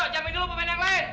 jamin dulu pemain yang lain